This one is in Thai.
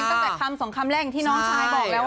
ตั้งแต่คำ๒คำแรกที่น้องชายบอกแล้วว่า